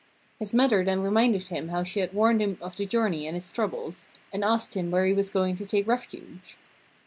His mother then reminded him how she had warned him of the journey and its troubles, and asked him where he was going to take refuge.